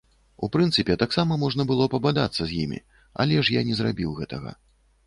У прынцыпе, таксама можна было пабадацца з імі, але ж я не зрабіў гэтага.